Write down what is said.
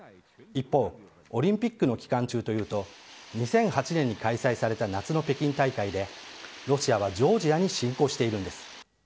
一方、オリンピックの期間中というと、２００８年に開催された夏の北京大会で、ロシアはジョージアに侵攻しているんです。